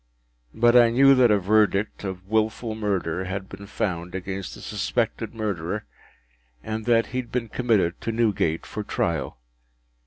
But I knew that a verdict of Wilful Murder had been found against the suspected murderer, and that he had been committed to Newgate for trial.